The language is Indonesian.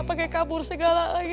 pakai kabur segala lagi